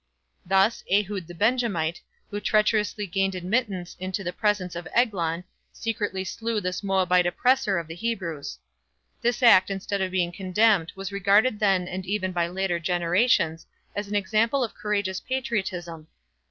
Thus, Ehud the Benjamite, who treacherously gained admittance to the presence of Eglon, secretly slew this Moabite oppressor of the Hebrews. This act instead of being condemned was regarded then and even by later generations as an example of courageous patriotism.